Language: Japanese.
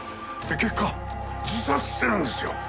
で結果自殺してるんですよ！